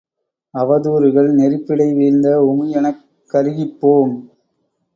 அவதூறுகள் நெருப்பிடை வீழ்ந்த உமியெனக் கருகிப்போம்.